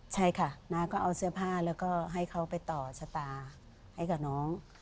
ใช่ค่ะน้าก็เอาเสื้อผ้าแล้วก็ให้เขาไปต่อชะตาให้กับน้อง